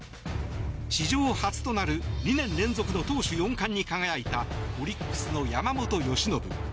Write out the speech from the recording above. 史上初となる２年連続の投手４冠に輝いたオリックスの山本由伸。